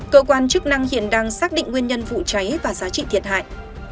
cơ quan chức năng hiện đang xác định nguyên nhân vụ cháy và giá trị thiệt hại